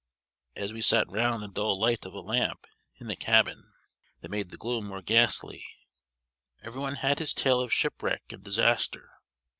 As we sat round the dull light of a lamp, in the cabin, that made the gloom more ghastly, everyone had his tale of shipwreck and disaster.